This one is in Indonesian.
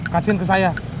kasihin ke saya